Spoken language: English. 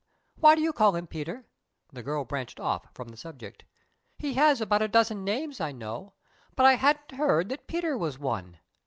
"Why do you call him 'Peter'?" the girl branched off from the subject. "He has about a dozen names, I know, but I hadn't heard that 'Peter' was one.